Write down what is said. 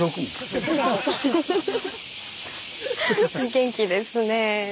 元気ですねぇ。